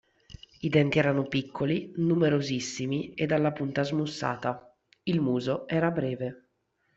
I denti erano piccoli, numerosissimi e dalla punta smussata; il muso era breve.